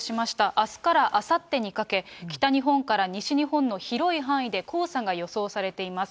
あすからあさってにかけ、北日本から西日本の広い範囲で黄砂が予想されています。